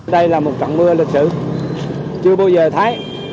đây là một trận mưa lịch sử chưa bao giờ thấy